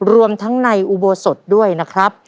รวมทั้งในอุโบสถด้วยนะครับ